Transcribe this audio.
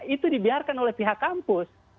itu dibiarkan oleh pihak kampus